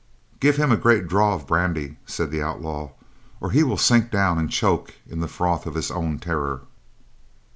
"Give him a great draught of brandy," said the outlaw, "or he will sink down and choke in the froth of his own terror."